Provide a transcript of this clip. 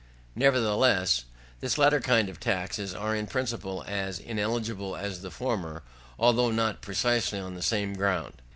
Nevertheless, this latter kind of taxes are in principle as ineligible as the former, although not precisely on the same ground.